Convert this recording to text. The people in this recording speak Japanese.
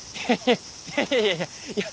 いやいやいやいやいや！